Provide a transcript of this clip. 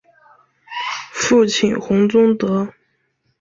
父亲洪宗德。